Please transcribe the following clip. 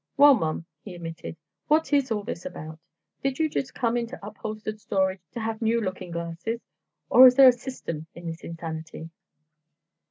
"Well, Mom," he emitted, "what is it all about? Did you just come into upholstered storage to have new looking glasses? Or is there a system in this insanity?"